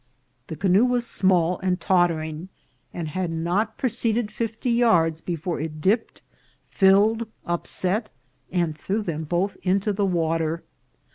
The ca noe was small and tottering, and had not proceeded fifty yards before it dipped, filled, upset, and threw them both into the water.